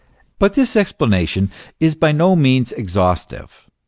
But this explanation is by no means exhaustive.